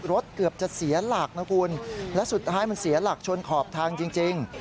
เกือบจะเสียหลักนะคุณและสุดท้ายมันเสียหลักชนขอบทางจริง